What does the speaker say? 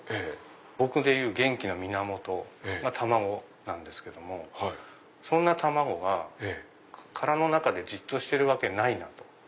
僕でいう元気の源が卵なんですけどもそんな卵が殻の中でじっとしてるわけないなと。